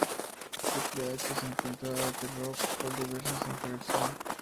Triple H se enfadó con The Rock por diversas interferencias.